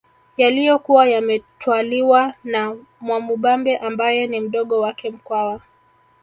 Yaliyokuwa yametwaliwa na Mwamubambe ambaye ni mdogo wake Mkwawa